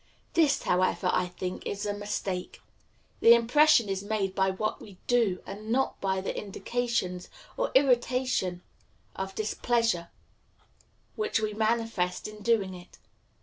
This, however, I think, is a mistake. The impression is made by what we do, and not by the indications of irritation or displeasure which we manifest in doing it.